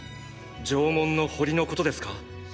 城門の堀のことですか？